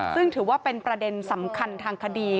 ซึ่งถือว่าเป็นประเด็นสำคัญทางคดี